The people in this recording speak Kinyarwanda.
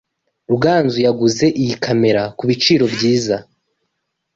Ruganzu yaguze iyi kamera kubiciro byiza.